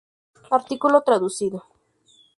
Artículo traducido